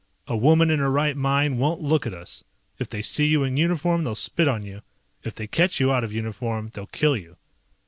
A woman in her right mind won't look at us, if they see you in uniform they'll spit on you, if they catch you out of uniform they'll kill you."